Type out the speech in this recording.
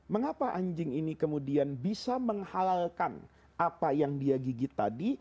mengapa anjing ini kemudian bisa menghalalkan apa yang dia gigit tadi